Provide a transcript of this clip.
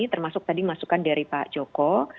termasuk tadi masukan dari pak joko